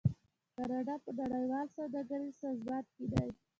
کاناډا په نړیوال سوداګریز سازمان کې دی.